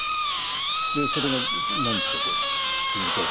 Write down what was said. それが何日かこう続くわけですね。